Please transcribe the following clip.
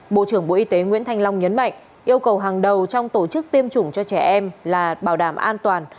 bộ trưởng bộ y tế nguyễn thanh long nhấn mạnh yêu cầu hàng đầu trong tổ chức tiêm chủng cho trẻ em là bảo đảm an toàn